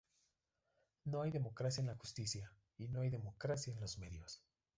No hay democracia en la justicia y no hay democracia en los medios.